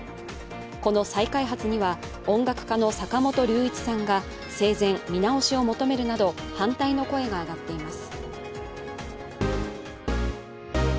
この再開発には音楽家の坂本龍一さんが生前、見直しを求めるなど反対の声が上がっています。